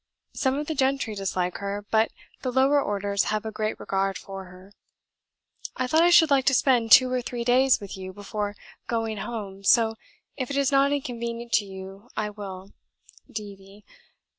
Some of the gentry dislike her, but the lower orders have a great regard for her. ... I thought I should like to spend two or three days with you before going home, so, if it is not inconvenient to you, I will (D.